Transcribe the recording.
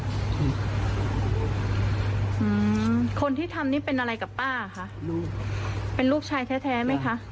อืมคนที่ทำนี่เป็นอะไรกับป้าคะลูกเป็นลูกชายแท้แท้ไหมคะ